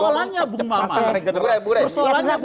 persoalannya bung maman